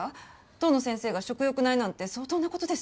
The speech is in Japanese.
遠野先生が食欲ないなんて相当な事です。